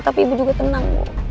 tapi ibu juga tenang bu